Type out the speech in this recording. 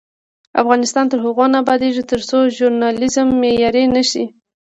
افغانستان تر هغو نه ابادیږي، ترڅو ژورنالیزم معیاري نشي.